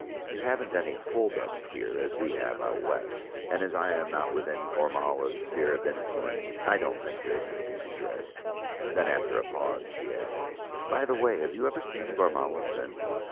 You haven't any 'hold ups' here as we have Out West; and as I am not within Gormala's sphere of influence, I don't think there is anything to dread!" Then after a pause she added: "By the way have you ever seen Gormala since?"